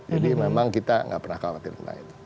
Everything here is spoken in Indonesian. jadi memang kita tidak pernah khawatir tentang itu